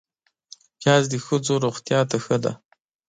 پیاز د ښځو روغتیا ته ښه دی